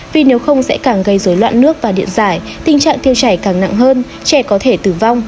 vì nếu không sẽ càng gây dối loạn nước và điện giải tình trạng tiêu chảy càng nặng hơn trẻ có thể tử vong